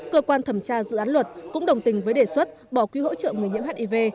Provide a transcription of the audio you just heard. cơ quan thẩm tra dự án luật cũng đồng tình với đề xuất bỏ quy hỗ trợ người nhiễm hiv